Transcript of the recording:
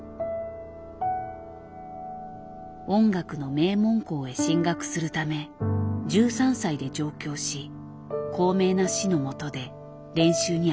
音楽の名門高へ進学するため１３歳で上京し高名な師のもとで練習に明け暮れた。